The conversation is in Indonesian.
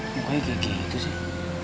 mukanya kayak gitu sih